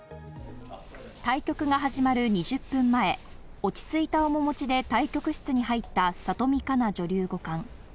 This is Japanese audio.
対局が始まる２０分前、落ち着いた面持ちで対局室に入った里見香奈女流五冠。